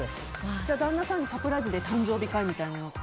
じゃあ旦那さんにサプライズで誕生日会みたいなのって。